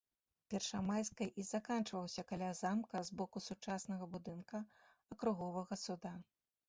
Першамайскай і заканчваўся каля замка з боку сучаснага будынка акруговага суда.